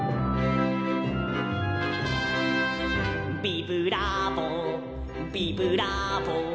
「ビブラーボビブラーボ」